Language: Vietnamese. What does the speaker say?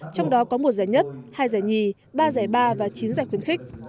trong đó có một giải nhất hai giải nhì ba giải ba và chín giải khuyến khích